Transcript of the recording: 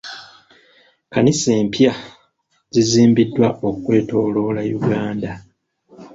Kkanisa empya zizimbiddwa okwetooloola Uganda.